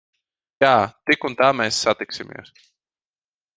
Jā. Tik un tā mēs satiksimies.